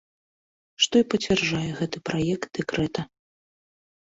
Што і пацвярджае гэты праект дэкрэта.